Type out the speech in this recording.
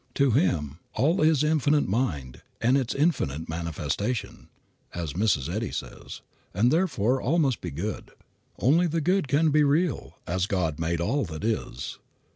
To him "all is Infinite Mind, and its infinite manifestation," as Mrs. Eddy says, and therefore all must be good. Only the good can be real as God made all that is.